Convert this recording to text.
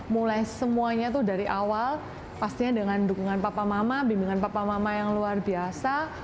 mulai semuanya tuh dari awal pastinya dengan dukungan papa mama bimbingan papa mama yang luar biasa